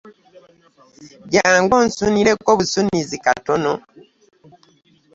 Jangu onsunireko busunizi katono.